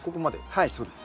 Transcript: はいそうです。